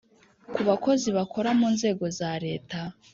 ku bakozi bakora mu nzego za reta